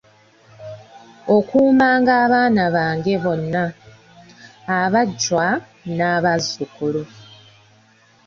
Okuumanga abaana bange bonna, abajjwa n'abazzukulu